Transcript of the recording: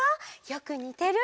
よくにてる！